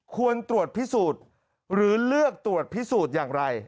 ควรตรวจพิสูจน์หรือเลือกตรวจพิสูจน์อย่างไร